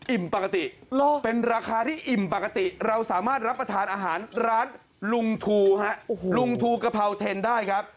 ปกติเป็นราคาที่อิ่มปกติเราสามารถรับประทานอาหารร้านลุงทูฮะลุงทูกะเพราเทนได้ครับ